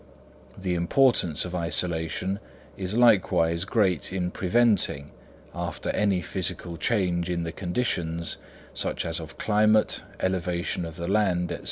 The importance of isolation is likewise great in preventing, after any physical change in the conditions, such as of climate, elevation of the land, &c.